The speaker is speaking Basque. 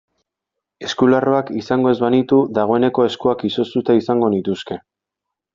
Eskularruak izango ez banitu dagoeneko eskuak izoztuta izango nituzke.